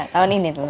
tahun ini lulus